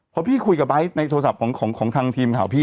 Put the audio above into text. พอพี่คุยกับไบท์ในโทรศัพท์ของทางทีมข่าวพี่